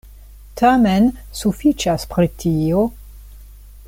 Tamen, sufiĉas pri tio.